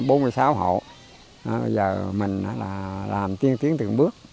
bây giờ mình là làm tiến tiến từng bước